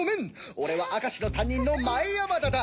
俺は明石の担任の前山田だ。